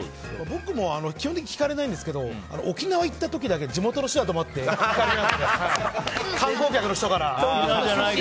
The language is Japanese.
僕も、基本的に聞かれないんですけど沖縄行った時だけ地元の人だと思われて聞かれたことがあります。